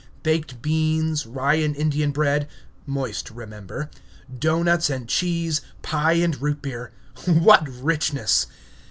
Baked beans, rye and indian bread (moist, remember), doughnuts and cheese, pie, and root beer. What richness!